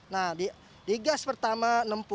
nah di gas pertama enam puluh